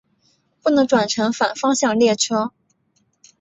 不能转乘反方向列车。